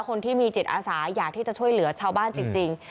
คนที่มีจิตอาสาอยากที่จะช่วยเหลือชาวบ้านจริง